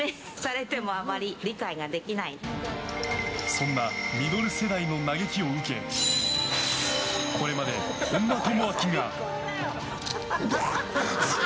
そんなミドル世代の嘆きを受けこれまで、本間朋晃が。